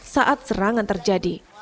saat serangan terjadi